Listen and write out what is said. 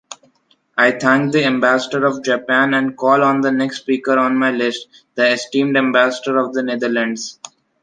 I thank the Ambassador of Japan and call on the next speaker on my list: the esteemed Ambassador of the Netherlands.